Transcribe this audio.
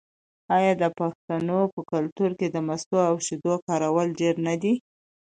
آیا د پښتنو په کلتور کې د مستو او شیدو کارول ډیر نه دي؟